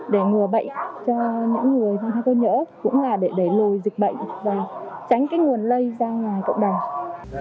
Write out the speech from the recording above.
để ngừa bệnh cho những người lang thang cơ nhở cũng là để đẩy lùi dịch bệnh và tránh cái nguồn lây ra ngoài cộng đồng